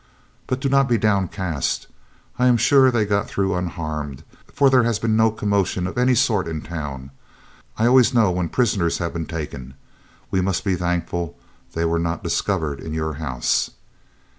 But do not be downcast. I am sure they got through unharmed, for there has been no commotion of any sort in town. I always know when prisoners have been taken. We must be thankful they were not discovered in your house."